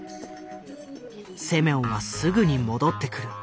セミョンはすぐに戻ってくる。